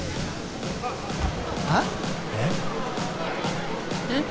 えっ？えっ？